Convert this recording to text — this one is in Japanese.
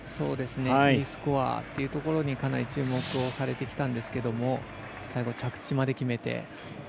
Ｅスコアというところにかなり注目をされてきたんですけど最後、着地まで決めて。